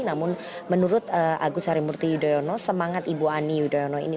namun menurut agus harimurti yudhoyono semangat ibu ani yudhoyono ini